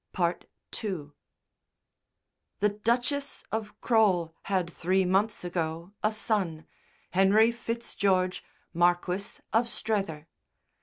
II The Duchess of Crole had three months ago a son, Henry Fitzgeorge, Marquis of Strether.